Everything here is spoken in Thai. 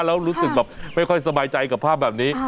แล้วรู้สึกแบบไม่ค่อยสบายใจกับภาพแบบนี้